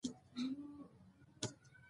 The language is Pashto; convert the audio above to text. د پاني پت جګړې د هند برخلیک وټاکه.